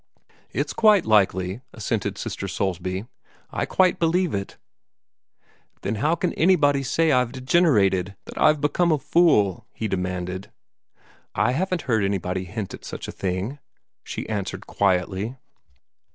"It's quite likely," assented Sister Soulsby. "I quite believe it." "Then how can anybody say that I've degenerated, that I've become a fool?" he demanded. "I haven't heard anybody hint at such a thing," she answered quietly.